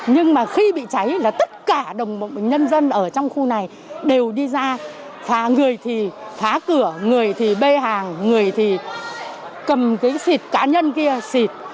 nhưng mà khi bị cháy là tất cả đồng nhân dân ở trong khu này đều đi ra phà người thì phá cửa người thì bê hàng người thì cầm cái xịt cá nhân kia xịt